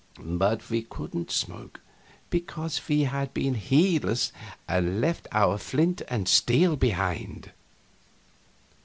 But we couldn't smoke, because we had been heedless and left our flint and steel behind.